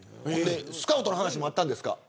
スカウトの話もあったんですか。